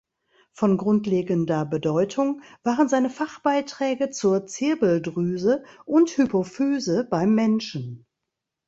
Von grundlegender Bedeutung waren seine Fachbeiträge zur Zirbeldrüse und Hypophyse beim Menschen.